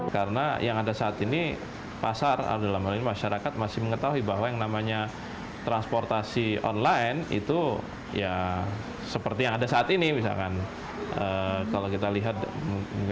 value proposition yang berbeda marketplace jadi kami ini adalah transporting marketplace